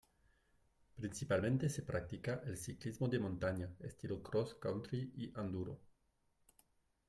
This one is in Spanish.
Principalmente se practica el ciclismo de montaña, estilo cross country y enduro.